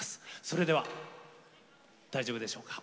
それでは大丈夫でしょうか。